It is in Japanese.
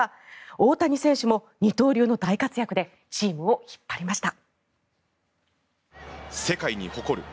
大谷選手も二刀流の大活躍でチームを引っ張りました。